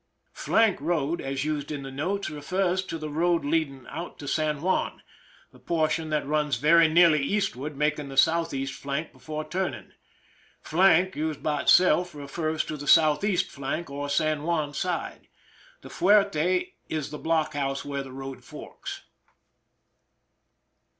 " Flank road," as used in the notes, refers to the road leading out to San Juan, the portion that runs very nearly eastward making the southeast flank before turning. " Flank " used by itself refers to the southeast flank, or San Juan side. The fuerte is the blockhouse where the road forks.